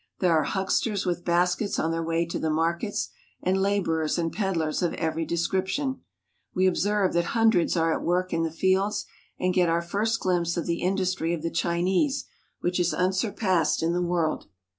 There are hucksters with baskets on their way to the markets, and laborers and peddlers of every description. We observe that hundreds are at work in the fields, and get our first gUmpse of the industry of the Chinese, which is unsurpassed in the world.